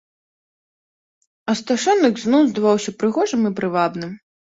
Асташонак зноў здаваўся прыгожым і прывабным.